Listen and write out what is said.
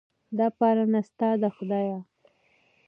دا پالنه ستا ده خدایه.